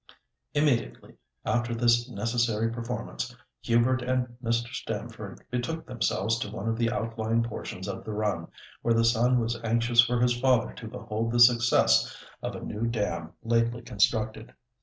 Immediately after this necessary performance, Hubert and Mr. Stamford betook themselves to one of the outlying portions of the run, where the son was anxious for his father to behold the success of a new dam lately constructed.